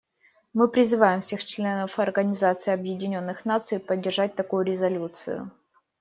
Мы призываем всех членов Организации Объединенных Наций поддержать такую резолюцию.